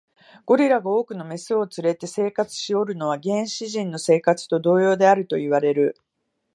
ゴリラが多くの牝を連れて生活しおるのは、原始人の生活と同様であるといわれる。